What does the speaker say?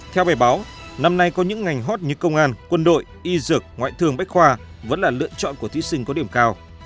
theo bài báo năm nay có những ngành hot như công an quân đội y dược ngoại thương bách khoa vẫn là lựa chọn của thí sinh có điểm cao